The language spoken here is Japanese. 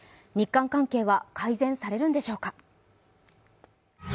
日韓関係は改善されるんでしょうか。